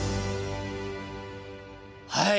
はい。